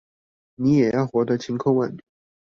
你也要活得晴空萬里